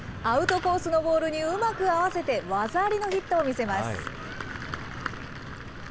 アウトコースのボールにうまく合わせて、技ありのヒットを見せます。